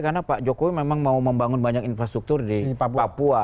karena pak jokowi memang mau membangun banyak infrastruktur di papua